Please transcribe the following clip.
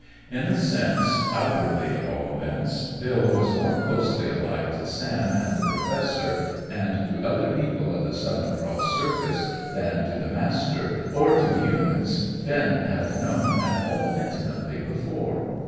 In a sense, outwardly at all events, Bill was more closely allied to Sam and the Professor, and to other people of the Southern Cross Circus, than to the Master, or to humans Finn had known at all intimately before.